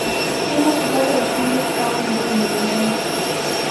Timu kupata ushindi kwao ndio burudani